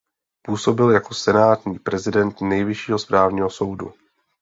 Působil jako senátní president Nejvyššího správního soudu.